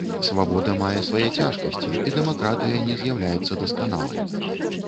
Свабода мае свае цяжкасці і дэмакратыя не з'яўляецца дасканалай.